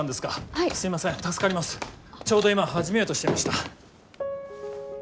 ちょうど今始めようとしていました。